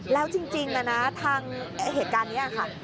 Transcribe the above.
แล้วจริงนะนะทางเหตุการณ์นี้ค่ะ